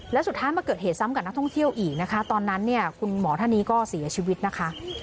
แล้วสุดท้ายมาเกิดเหตุซ้ำกับนักท่องเที่ยวอีกนะคะตอนนั้นเนี่ยคุณหมอท่านนี้ก็เสียชีวิตนะคะ